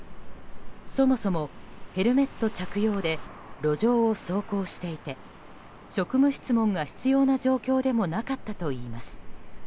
そもそも、ヘルメット着用で路上を走行していて職務質問が必要な状況でもなかったといいます。